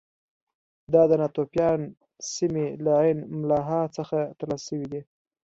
دا د ناتوفیان سیمې له عین ملاحا څخه ترلاسه شوي دي